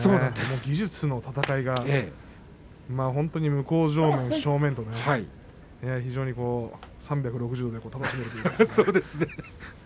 技術の戦いが、向正面、正面と非常に３６０度で楽しめるんじゃないですかね。